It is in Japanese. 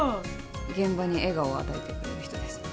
現場に笑顔を与えてくれる人ですね。